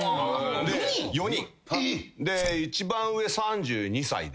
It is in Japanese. えっ！で一番上３２歳で。